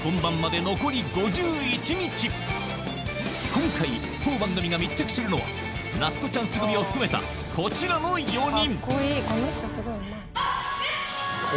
今回当番組が密着するのはラストチャンス組を含めたこちらの４人